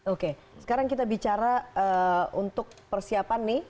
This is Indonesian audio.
oke sekarang kita bicara untuk persiapan nih